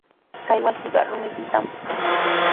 Kay wasiqa rumipitami.